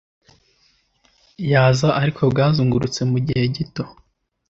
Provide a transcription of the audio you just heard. ya za Ariko bwazungurutse mu gihe gito?